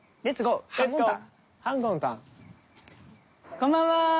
こんばんは！